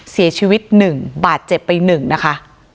เสียชีวิตหนึ่งบาทเจ็บไปหนึ่งนะคะ